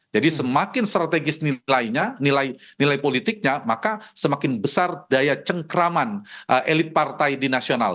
jadi semakin strategis nilainya nilai politiknya maka semakin besar daya cengkraman elit partai di nasional